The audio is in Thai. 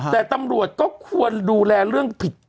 แต่ตำรวจก็ควรดูแลเรื่องผิด